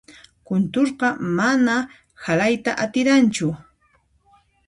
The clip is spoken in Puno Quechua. Kunturqa mana halayta atiranchu.